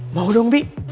mau dong bi